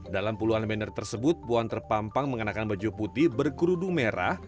dalam puluhan banner tersebut puan terpampang mengenakan baju putih berkerudu merah